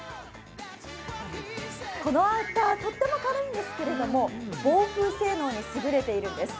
このアウターとっても軽いんですけれども防風性能にすぐれているんです。